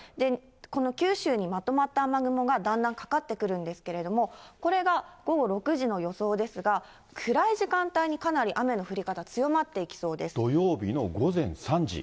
この九州にまとまった雨雲がだんだんかかってくるんですけれども、これが午後６時の予想ですが、暗い時間帯にかなり雨の降り方、土曜日の午前３時。